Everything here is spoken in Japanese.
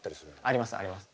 ありますあります。